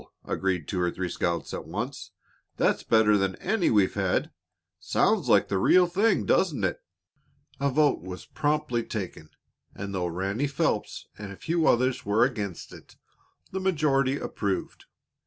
agreed two or three scouts at once. "That's better than any we've had. Sounds like the real thing, doesn't it?" A vote was promptly taken, and though Ranny Phelps and a few others were against it, the majority approved.